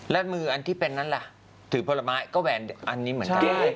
และมืออันที่เป็นนั้นล่ะถือผลไม้ก็แหวนอันนี้เหมือนกัน